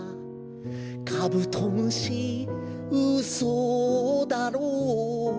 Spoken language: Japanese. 「カブトムシうそだろう」